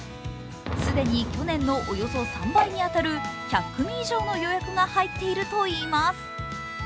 既に去年のおよそ３倍に当たる１００組以上の予約が入っているといいます。